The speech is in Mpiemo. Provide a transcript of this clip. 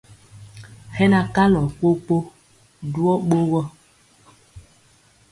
Hɛ na kalɔ kpokpo ɗuyɔ ɓogɔ.